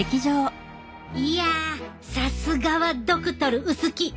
いやさすがはドクトル薄木！